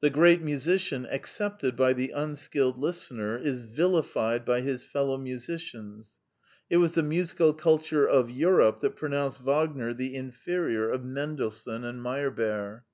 The great musician, ac cepted by the unskilled listener, is vilified by his fellow musicians: it was the musical culture of Europe that pronounced Wagner the inferior of Mendelssohn and Meyerbeer.